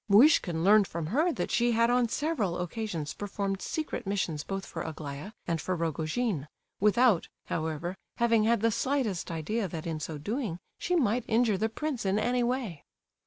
Muishkin learned from her that she had on several occasions performed secret missions both for Aglaya and for Rogojin, without, however, having had the slightest idea that in so doing she might injure the prince in any way.